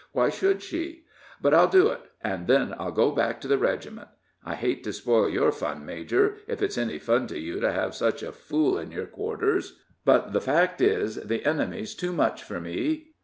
Why should she? But I'll do it, and then I'll go back to the regiment. I hate to spoil your fun, major, if it's any fun to you to have such a fool in your quarters; but the fact is, the enemy's too much for me.